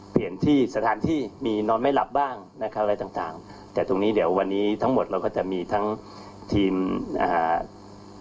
เปลี่ยนที่สถานที่มีนอนไม่หลับบ้างนะครับอะไรต่างต่างแต่ตรงนี้เดี๋ยววันนี้ทั้งหมดเราก็จะมีทั้งทีมอ่า